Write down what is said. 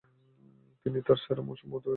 তিনি তার সেরা মৌসুম অতিবাহিত করেন।